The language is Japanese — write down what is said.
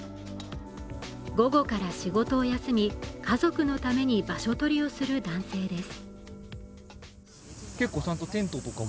午後から仕事を休み、家族のために場所取りをする男性です。